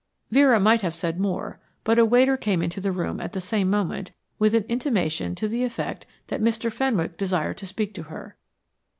Vera might have said more, but a waiter came into the room at the same moment with an intimation to the effect that Mr. Fenwick desired to speak to her.